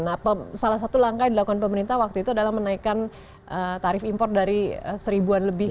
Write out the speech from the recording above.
nah salah satu langkah yang dilakukan pemerintah waktu itu adalah menaikkan tarif impor dari seribuan lebih